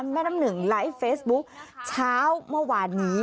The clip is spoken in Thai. แม่น้ำหนึ่งไลฟ์เฟซบุ๊คเช้าเมื่อวานนี้